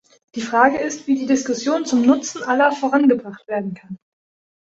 Die Frage ist, wie die Diskussion zum Nutzen aller vorangebracht werden kann.